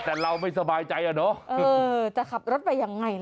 แต่เราไม่สบายใจอะเนาะจะขับรถไปยังไงล่ะ